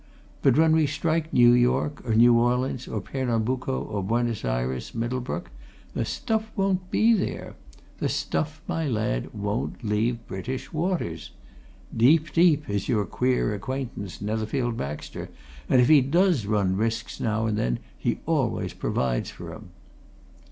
But when we strike New York or New Orleans or Pernambuco or Buenos Ayres, Middlebrook, the stuff won't be there the stuff, my lad, won't leave British waters! Deep, deep, is your queer acquaintance, Netherfield Baxter, and if he does run risks now and then, he always provides for 'em."